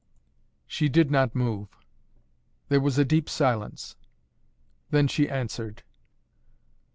She did not move. There was a deep silence. Then she answered.